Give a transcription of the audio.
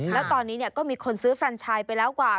แล้วตอนนี้ก็มีคนซื้อแฟนชายไปแล้วกว่า